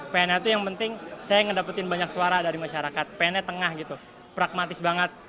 pnnya itu yang penting saya mendapatkan banyak suara dari masyarakat pnnya tengah gitu pragmatis banget